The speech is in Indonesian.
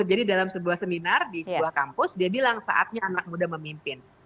jadi dalam sebuah seminar di sebuah kampus dia bilang saatnya anak muda memimpin